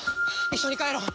一緒に帰ろうよ！